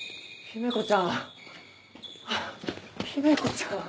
姫子ちゃん！